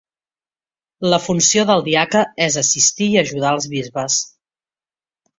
La funció del diaca és assistir i ajudar els bisbes.